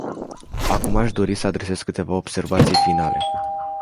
Acum aș dori să adresez câteva observații finale.